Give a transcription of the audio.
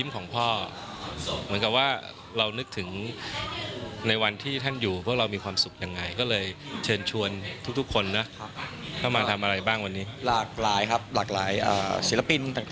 ก็จะมีทั้งวาดภาพอย่างหลายทุกอย่าง